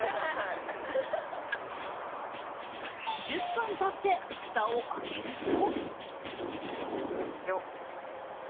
１０分経ってふたを開けると。